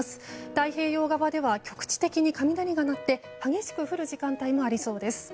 太平洋側では局地的に雷が鳴って激しく降る時間帯がありそうです。